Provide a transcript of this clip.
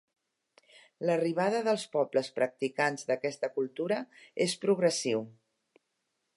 L'arribada dels pobles practicants d'aquesta cultura és progressiu.